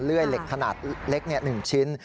เลื่อยเหล็กขนาดเล็ก๑ชิ้น